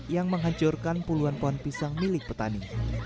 yang menghancurkan puluhan pohon pisang milik petani